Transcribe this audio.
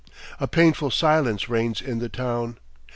A painful silence reigns in the town.